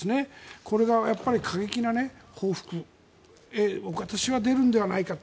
これが過激な報復に私は出るんではないかと。